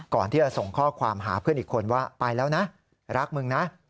ก่อนที่จะส่งข้อความหาเพื่อนอีกคนว่าไปแล้วนะรักมึงนะ